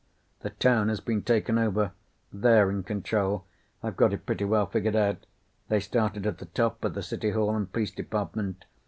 "The town has been taken over. They're in control. I've got it pretty well figured out. They started at the top, at the City Hall and police department.